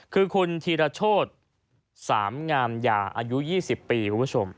คือคุณธีรโชธสามงามยาอายุ๒๐ปีคุณผู้ชม